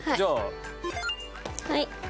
はい。